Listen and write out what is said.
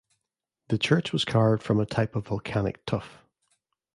The church was carved from a type of volcanic tuff.